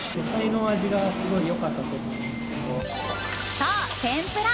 そう、天ぷら。